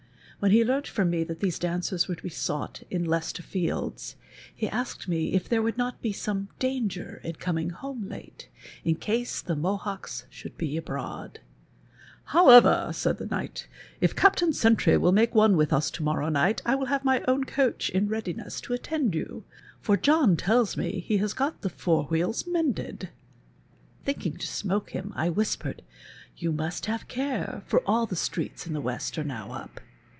When he learnt from me that these daneers were to he sought in Leieestcr Fields, he asked me if there would not be some danger in coming home late, in case the Mohoeks should be abroad. " Howe\er," says the knight, " if Captain Sentry will make one with us to morrow night, I will have my own eoaeh in readiness to attend yf)u ; for John tells me he has got the fore wheels mended." Thinking to smoak him, I whispered, " You must have a care, for all the streets in the West arc now up.""